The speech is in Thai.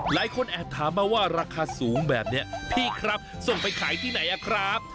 หลายคนแอบถามมาว่าราคาสูงแบบนี้พี่ครับส่งไปขายที่ไหนอะครับ